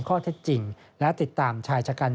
ข้อเท็จจริงและติดตามชายชะกัน